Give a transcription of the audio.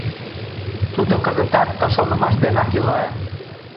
Тудо кызытат ты шонымаш денак ила.